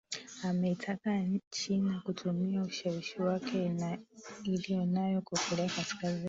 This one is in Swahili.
ameitaka china kutumia ushawishi wake iliyonayo kwa korea kaskazini